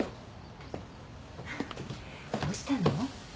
どうしたの？